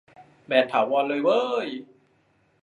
แบนถาวรเลยเว้ย